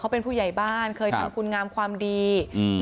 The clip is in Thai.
เป็นผู้ใหญ่บ้านเคยทำคุณงามความดีอืม